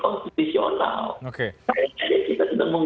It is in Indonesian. gugat ke ma